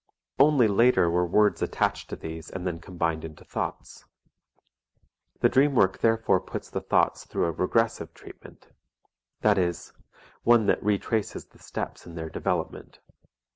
Only later were words attached to these and then combined into thoughts. The dream work therefore puts the thoughts through a regressive treatment, that is, one that retraces the steps in their development.